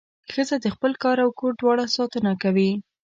ښځه د خپل کار او کور دواړو ساتنه کوي.